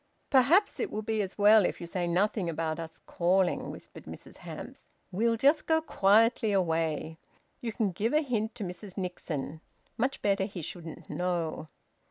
"Perhaps it will be as well if you say nothing about us calling," whispered Mrs Hamps. "We'll just go quietly away. You can give a hint to Mrs Nixon. Much better he shouldn't know."